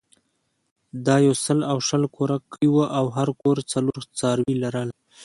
دا یو سل او شل کوره کلی وو او هر کور څلور څاروي لرل.